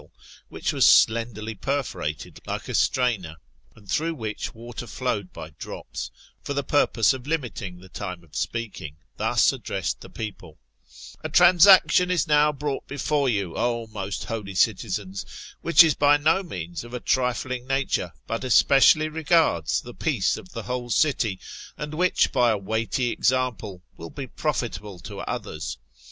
a clepsyd raj, which was slenderly perforated like a strainer, ana ttirough which the water flowed by drops, for the purpibse onFmiting the time of speaking, thus addressed the people : "A transaction is now brought before you, O most holy citizens, which is by no means of a trifling nature, but especially regards the peace of the whole city, and which, by a weighty example, will be profitable to others.